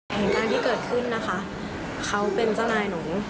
เหตุการณ์ที่เกิดขึ้นนะคะเขาเป็นเจ้านายหนู